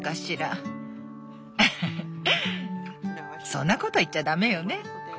フフッそんなこと言っちゃ駄目よね。